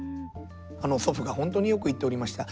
祖父が本当によく言っておりました。